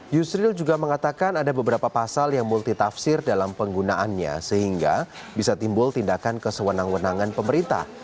yusril juga mengatakan ada beberapa pasal yang multitafsir dalam penggunaannya sehingga bisa timbul tindakan kesewenang wenangan pemerintah